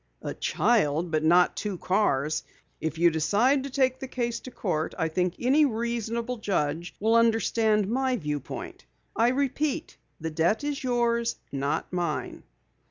"A child, but not two cars. If you decide to take the case to court, I think any reasonable judge will understand my viewpoint. I repeat, the debt is yours, not mine."